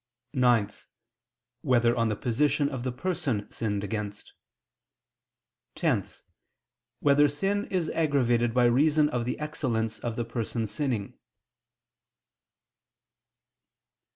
(9) Whether on the position of the person sinned against? (10) Whether sin is aggravated by reason of the excellence of the person sinning?